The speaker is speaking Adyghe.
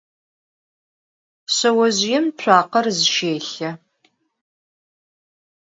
Şseozjıêm tsuakher zışêlhe.